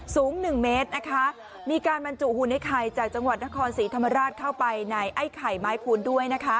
สูงหนึ่งเมตรนะคะมีการบรรจุหุ่นไอ้ไข่จากจังหวัดนครศรีธรรมราชเข้าไปในไอ้ไข่ไม้คูณด้วยนะคะ